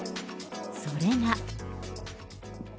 それが。